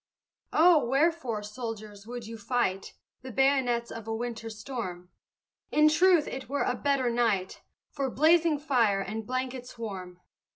Oh, wherefore, soldiers, would you fight The bayonets of a winter storm? In truth it were a better night For blazing fire and blankets warm!